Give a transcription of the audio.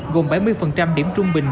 gồm bảy mươi điểm trung bình